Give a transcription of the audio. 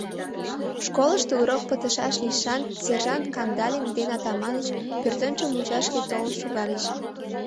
Школышто урок пытышаш лишан сержант Кандалин ден Атаманыч пӧртӧнчыл мучашке толын шогальыч.